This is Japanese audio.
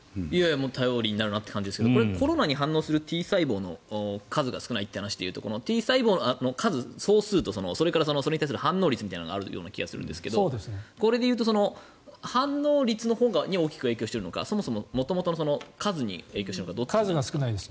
頼りになるなという感じですがコロナに反応するＴ細胞の数が少ないという話で言うとＴ細胞の数、総数とそれに対する反応率がある気がするんですがこれでいうと反応率のほうに大きく影響してるのかそもそも元々の数に影響しているのかどっちなんですか？